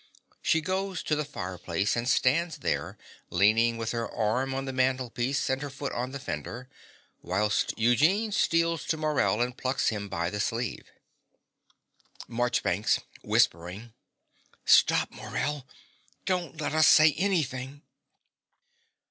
(She goes to the fireplace, and stands there leaning with her arm on the mantelpiece and her foot on the fender, whilst Eugene steals to Morell and plucks him by the sleeve.) MARCHBANKS (whispering). Stop Morell. Don't let us say anything.